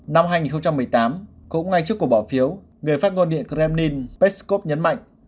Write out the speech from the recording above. năm hai nghìn một mươi tám cũng ngay trước cuộc bỏ phiếu người phát ngôn điện kremlin peskov nhấn mạnh